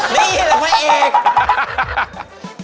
นี่แหละแผ่นเอก